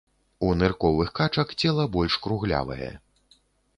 У нырковых качак цела больш круглявае.